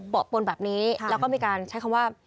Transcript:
ปนแบบนี้แล้วก็มีการใช้คำว่า